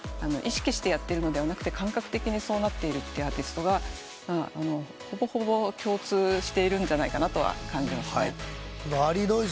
意識してやってるのではなくて感覚的にそうなってるアーティストがほぼほぼ共通しているんじゃないかなとは感じますね。